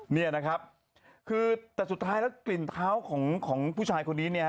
นี่นะครับคือแต่สุดท้ายแล้วกลิ่นเท้าของผู้ชายคนนี้เนี่ย